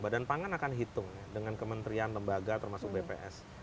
badan pangan akan hitung dengan kementerian lembaga termasuk bps